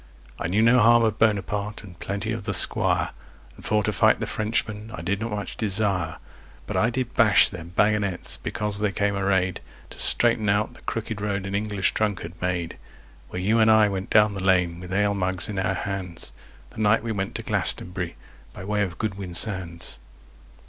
I knew no harm of Bonaparte and plenty of the Squire, And for to fight the Frenchman I did not much desire; But I did bash their baggonets because they came arrayed To straighten out the crooked road an English drunkard made, Where you and I went down the lane with ale mugs in our hands, The night we went to Glastonbury by way of Goodwin Sands.